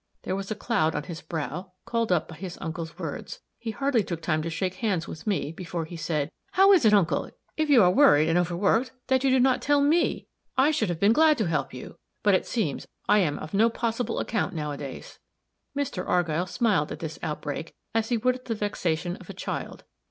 There was a cloud on his brow, called up by his uncle's words; he hardly took time to shake hands with me, before he said, "How is it, uncle, if you are worried and overworked, that you do not tell me? I should have been glad to help you. But it seems I am of no possible account nowadays." Mr. Argyll smiled at this outbreak, as he would at the vexation of a child.